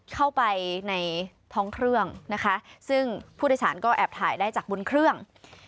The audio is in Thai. เข้าไปในท้องเครื่องนะคะซึ่งผู้โดยสารก็แอบถ่ายได้จากบนเครื่อง